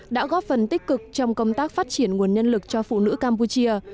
đã góp phần tích cực trong công tác phát triển nguồn nhân lực cho phụ nữ campuchia